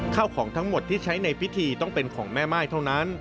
ข้าวของทั้งหมดที่ใช้ในพิธีต้องเป็นของแม่ม่ายเท่านั้น